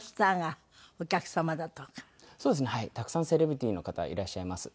たくさんセレブリティーの方いらっしゃいます。